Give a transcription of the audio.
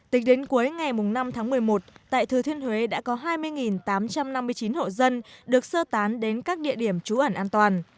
tính đến cuối ngày năm tháng một mươi một tại thừa thiên huế đã có hai mươi tám trăm năm mươi chín hộ dân được sơ tán đến các địa điểm trú ẩn an toàn